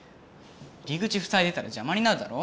入り口ふさいでたらじゃまになるだろ？